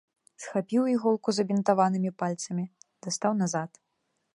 Схапіў іголку забінтаванымі пальцамі, дастаў назад.